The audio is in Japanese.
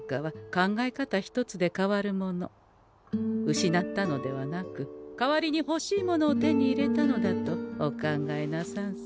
失ったのではなく代わりにほしいものを手に入れたのだとお考えなさんせ。